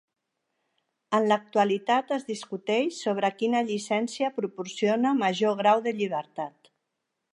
En l'actualitat, es discuteix sobre quina llicència proporciona major grau de llibertat.